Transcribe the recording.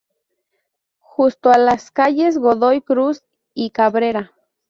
Justo y las calles Godoy Cruz y Cabrera.